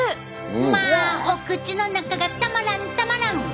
まあお口の中がたまらんたまらん。